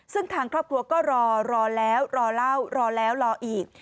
ซึ่งทางครอบครัวก็รอรอแล้วรอเล่ารอแล้วรออีก